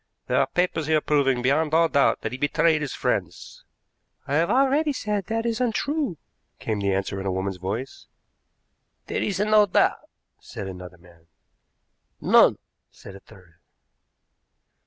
There are papers here proving beyond all doubt that he betrayed his friends." "I have already said that is untrue," came the answer in a woman's voice. "There is no doubt," said another man. "None," said a third.